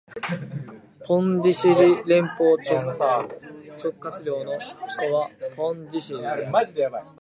ポンディシェリ連邦直轄領の首府はポンディシェリである